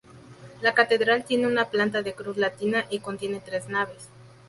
La catedral tiene una planta de cruz latina y contiene tres naves.